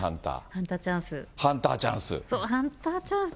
ハンターチャンス。